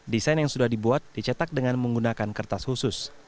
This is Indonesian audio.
desain yang sudah dibuat dicetak dengan menggunakan kertas khusus